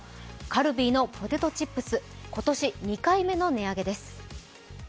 カルビーのポテトチップス、今年２回目の値上げです。